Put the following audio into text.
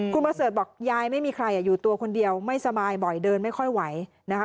คุณประเสริฐบอกยายไม่มีใครอยู่ตัวคนเดียวไม่สบายบ่อยเดินไม่ค่อยไหวนะคะ